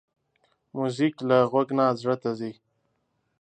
موزیک له غوږ نه زړه ته ځي.